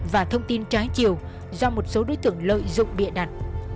và thông tin trái chiều do một số đối tượng lợi dụng bịa đặt